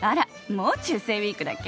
もう中世ウイークだっけ？